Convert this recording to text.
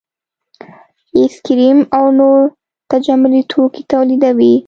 ایس کریم او نور تجملي توکي تولیدوي